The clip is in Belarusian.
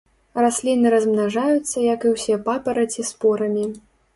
Расліны размнажаюцца, як і ўсе папараці, спорамі.